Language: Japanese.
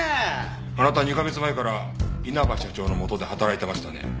あなたは２カ月前から稲葉社長の下で働いていましたね。